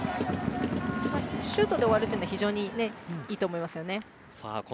シュートで終わるのは非常にいいと思いますね。